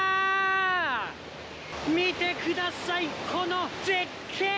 見てください、この絶景！